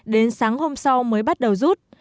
đến sáng hôm sau mới bắt đầu rút